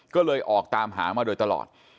ก็เลยออกตามหามาโดยตลอด